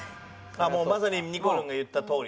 まさににこるんが言ったとおり。